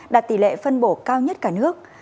đạt tỷ lệ phân bổ cao nhất cả nước